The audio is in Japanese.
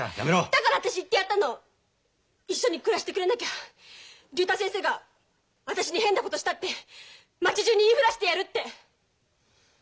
だから私言ってやったの一緒に暮らしてくれなきゃ竜太先生が私に変なことしたって町じゅうに言い触らしてやるって。